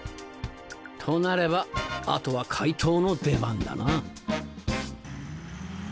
となればあとは怪盗の出番だな。